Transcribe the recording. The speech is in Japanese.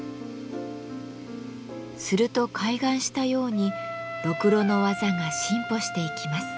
すると開眼したようにろくろの技が進歩していきます。